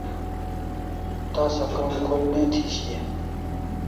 Tasa krom khul ne thi shiau